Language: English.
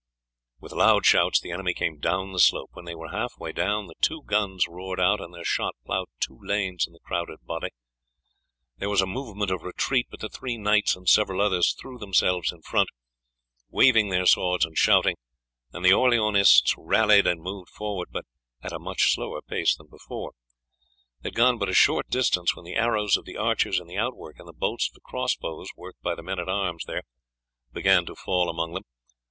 With loud shouts the enemy came down the slope. When they were half way down the two guns roared out, and their shot ploughed two lanes in the crowded body. There was a movement of retreat, but the three knights and several others threw themselves in front, waving their swords and shouting, and the Orleanists rallied and moved forward, but at a much slower pace than before. They had gone but a short distance when the arrows of the archers in the outwork and the bolts of the cross bows worked by the men at arms there, began to fall among them.